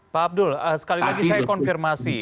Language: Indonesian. pak abdul sekali lagi saya konfirmasi